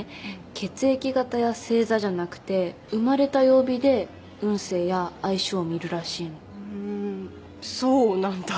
血液型や星座じゃなくて生まれた曜日で運勢や相性を見るらしいのふーんそうなんだ？